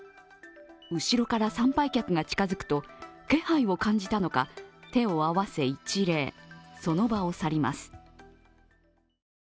後ろから参拝客が近づくと気配を感じたのか手を合わせ一礼、その場を去ります